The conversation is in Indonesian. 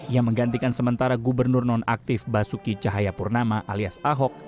yang menggantikan sementara gubernur nonaktif basuki cahayapurnama alias ahok